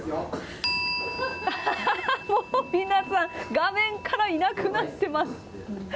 皆さん画面からいなくなっています。